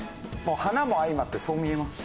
花も相まってそう見えます。